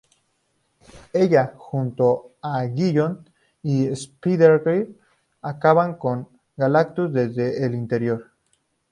Ella, junto con Aguijón y Spider-Girl acabaron con Galactus desde el interior.